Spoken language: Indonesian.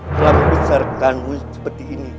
telah membesarkanmu seperti ini